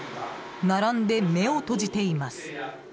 並んで目を閉じています。